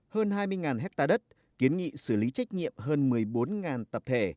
hơn hai mươi hectare đất kiến nghị xử lý trách nhiệm hơn một mươi bốn tập thể